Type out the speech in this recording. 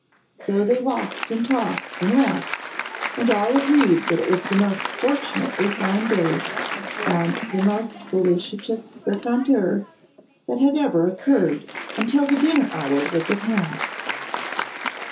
So they walked and talked and laughed, and all agreed that it was the most fortunately fine day and the most felicitous rencontre that had ever occurred, until the dinner hour was at hand.